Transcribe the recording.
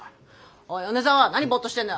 おい米沢何ボっとしてんだよ。